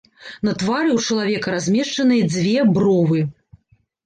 На твары ў чалавека размешчаныя дзве бровы.